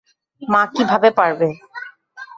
মা কি ভাবে পারবে?